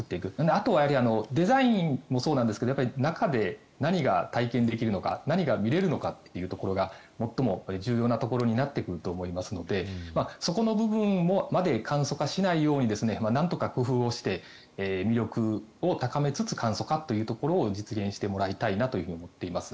あとはデザインもそうなんですが中で何が体験できるのか何が見れるのかというところが最も重要なところになってくると思いますのでそこの部分まで簡素化しないようになんとか工夫をして魅力を高めつつ簡素化というところを実現してもらいたいなと思っています。